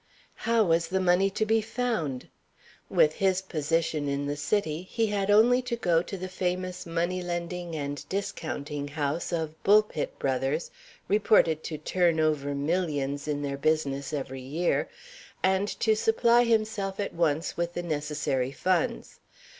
How was the money to be found? With his position in the City, he had only to go to the famous money lending and discounting house of Bulpit Brothers reported to "turn over" millions in their business every year and to supply himself at once with the necessary funds.